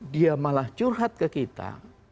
dia malah curhat ke kita